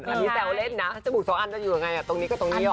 อันนี้แซวเล่นนะจมูกสองอันจะอยู่ยังไงตรงนี้ก็ตรงนี้ออก